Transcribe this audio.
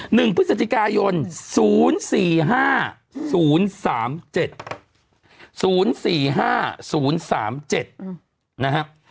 หนึ่งพฤษฎิกายน๐๔๕๐๓๗๐๔๕๐๓๗นะฮะ